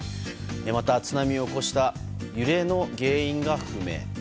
また、津波を起こした揺れの原因が不明。